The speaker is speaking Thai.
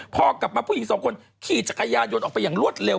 พอกลับมาผู้หญิงสองคนขี่จักรยานยนต์ออกไปอย่างรวดเร็